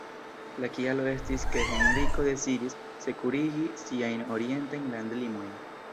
La kialo estis ke Henriko deziris sekurigi siajn orientajn landlimojn.